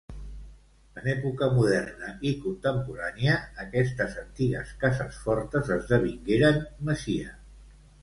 En època moderna i contemporània aquestes antigues cases fortes esdevingueren masia.